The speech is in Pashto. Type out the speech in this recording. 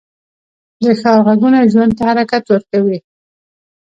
د ښار غږونه ژوند ته حرکت ورکوي